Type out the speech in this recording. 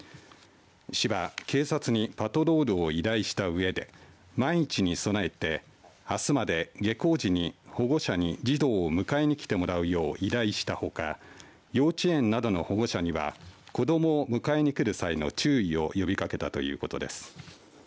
市は警察にパトロールを依頼したうえで万一に備えてあすまで下校時に保護者に児童を迎えに来てもらうよう依頼したほか幼稚園などの保護者には子どもを迎えにくる際の注意を呼びかけたということです。